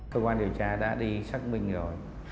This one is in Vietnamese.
cơ quan điều tra đã đi xác minh rồi